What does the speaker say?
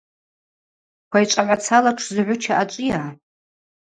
Квайчӏвагӏвацала тшзугӏвыча ачӏвыйа?